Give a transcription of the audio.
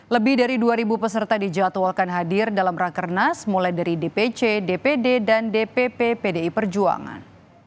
lebih dari dua peserta dijadwalkan hadir dalam rakernas mulai dari dpc dpd dan dpp pdi perjuangan